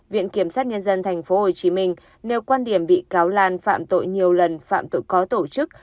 viện kiểm sát nhân dân tp hcm nêu quan điểm bị cáo lan phạm tội nhiều lần phạm tội có tổ chức